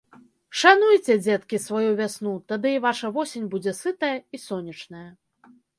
Шануйце, дзеткі, сваю вясну, тады і ваша восень будзе сытая і сонечная.